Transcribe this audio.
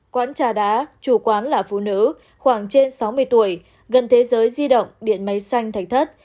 quán trà đá chủ quán là phụ nữ khoảng trên sáu mươi tuổi gần thế giới di động điện máy xanh thạch thất